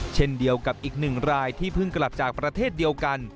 เช่นเดียวกับอีกหนึ่งรายที่เพิ่งกลับจากประเทศเดียวกัน